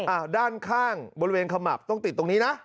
อ่ะด้านข้างบริเวณขมับต้องติดตรงนี้นะ